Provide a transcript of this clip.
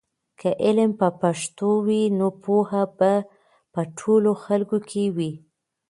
که علم په پښتو وي نو پوهه به په ټولو خلکو کې وي.